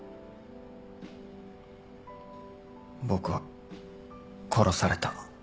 僕は殺された。